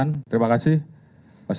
assalamualaikum warahmatullahi wabarakatuh